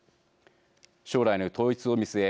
将来の統一を見据え